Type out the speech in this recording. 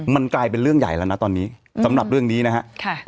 มันกลายเป็นเรื่องใหญ่แล้วนะตอนนี้สำหรับเรื่องนี้นะฮะ